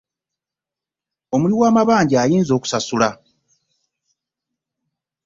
Omuli w'amabanja ayinza okusasula .